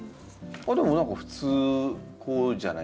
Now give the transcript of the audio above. でも何か普通こうじゃないですか？